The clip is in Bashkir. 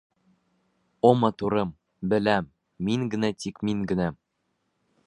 — О, матурым, беләм, мин генә, тик мин генә.